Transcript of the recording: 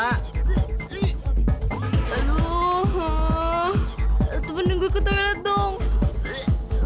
aduh temenin gue ke toilet dong